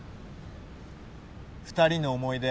２人の思い出